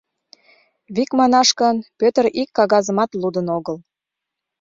Вик манаш гын, Пӧтыр ик кагазымат лудын огыл.